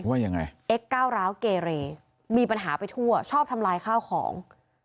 ว่ายังไงเอ็กซ้าวเกเรมีปัญหาไปทั่วชอบทำลายข้าวของ